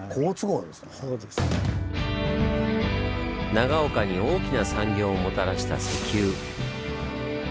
長岡に大きな産業をもたらした石油。